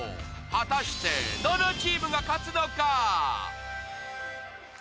果たしてどのチームが勝つのか？